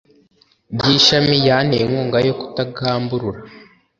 by ishami yanteye inkunga yo kutagamburura